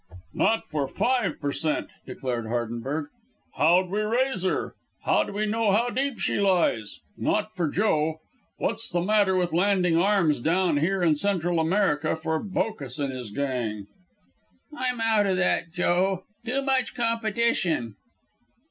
"Not for five per cent.," declared Hardenberg. "How'd we raise her? How'd we know how deep she lies? Not for Joe. What's the matter with landing arms down here in Central America for Bocas and his gang?" "I'm out o' that, Joe. Too much competition."